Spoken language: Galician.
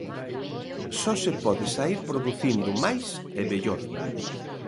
Só se pode saír producindo máis e mellor.